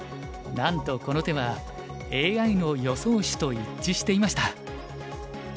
なんとこの手はＡＩの予想手と一致していました。